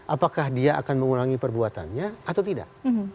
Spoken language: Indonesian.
apakah dia akan mengulangi perbuatannya atau tidak